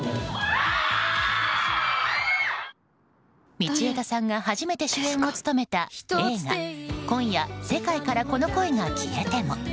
道枝さんが初めて主演を務めた映画「今夜、世界からこの恋が消えても」。